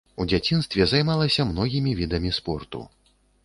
У дзяцінстве займалася многімі відамі спорту.